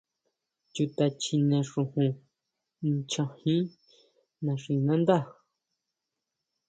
Chuta chine xojon ncha jín naxinandá.